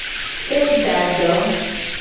E da do.